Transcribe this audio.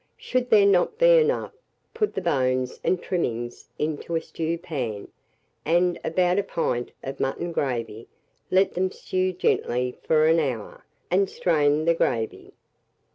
Should there not be enough, put the bones and trimmings into a stewpan, with about a pint of mutton gravy; let them stew gently for an hour, and strain the gravy.